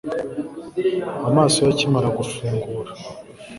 amaso ye akimara gufungura